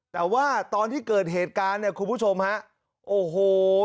แต่ว่าตอนที่เกิดเหตุการณ์เนี่ยคุณผู้ชมฮะโอ้โห